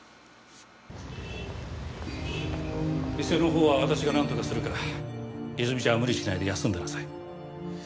店のほうは私がなんとかするから泉ちゃんは無理しないで休んでなさい。